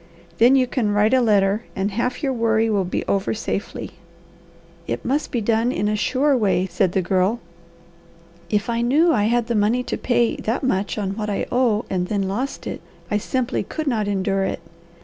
Then you can write a letter, and half your worry will be over safely." "It must be done in a sure way," said the Girl. "If I knew I had the money to pay that much on what I owe, and then lost it, I simply could not endure it.